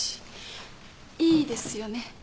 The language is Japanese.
いいですよね？